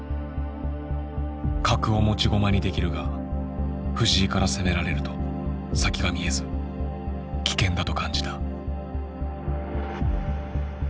角を持ち駒にできるが藤井から攻められると先が見えず危険だと感じた。